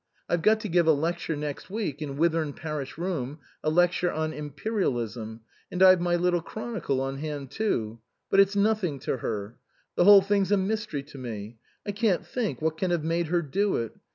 I've got to give a lecture next week in Whithorn parish room, a lecture on * Imperialism,' and I've my little chronicle on hand, too ; but it's nothing to her. The whole thing's a mystery to me. I can't think what can have made her do it.